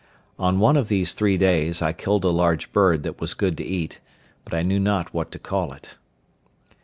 On one of these three days I killed a large bird that was good to eat, but I knew not what to call it.